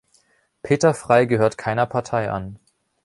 Peter Frey gehört keiner Partei an.